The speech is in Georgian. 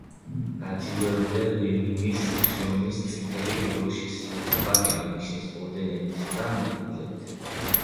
დაჯილდოებულია ლენინის, შრომის წითელი დროშის, საპატიო ნიშნის ორდენებით და მედლებით.